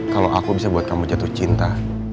kalau aku bisa buat kamu jatuh cinta